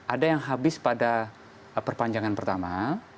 ada yang habis pada perpanjangan pertama